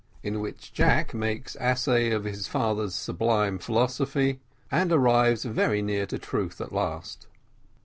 IN WHICH JACK MAKES ESSAY OF HIS FATHER'S SUBLIME PHILOSOPHY AND ARRIVES VERY NEAR TO TRUTH AT LAST.